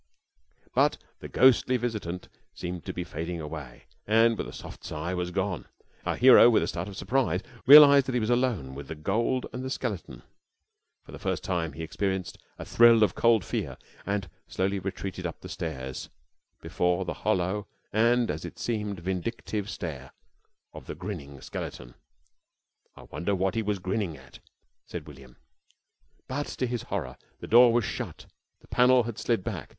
"But the ghostly visitant seemed to be fading away, and with a soft sigh was gone. Our hero, with a start of surprise, realised that he was alone with the gold and the skeleton. For the first time he experienced a thrill of cold fear and slowly retreated up the stairs before the hollow and, as it seemed, vindictive stare of the grinning skeleton." "I wonder wot he was grinnin' at?" said William. "But to his horror the door was shut, the panel had slid back.